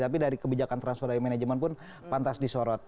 tapi dari kebijakan transfer dari manajemen pun pantas disorot